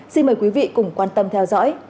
xin mời quý vị cùng quan tâm theo dõi